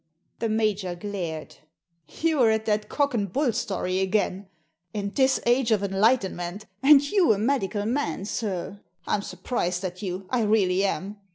The major glared "You're at that cock and bull story again; in this age of enlightenment, and you a medical man, sir, I'm surprised at you,. I really am!